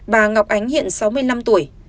bà ngọc ánh hiện sáu mươi năm tuổi